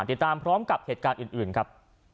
ติดตามพร้อมกับเหตุการณ์อื่นครับ